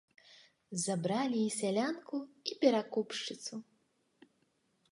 Забралі і сялянку і перакупшчыцу.